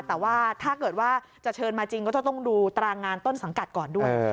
แต่ว่าถ้าเกิดว่าจะเชิญมาจริงก็จะต้องดูตรางานต้นสังกัดก่อนด้วย